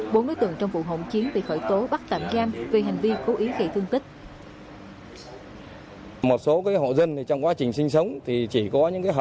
bốn đối tượng trong vụ hộng chiến bị khởi tố bắt tạm gam vì hành vi cố ý gây thương tích